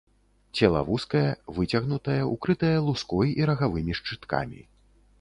Цела вузкае, выцягнутае, укрытае луской і рагавымі шчыткамі.